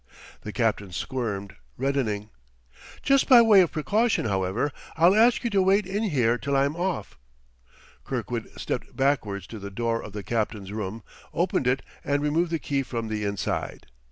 The captain squirmed, reddening. "Just by way of precaution, however, I'll ask you to wait in here till I'm off." Kirkwood stepped backwards to the door of the captain's room, opened it and removed the key from the inside.